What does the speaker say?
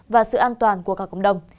và sự an toàn của các cộng đồng